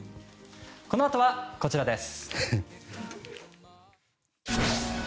このあとは、こちらです。